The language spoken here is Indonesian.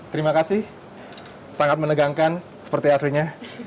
terima kasih sangat menegangkan seperti aslinya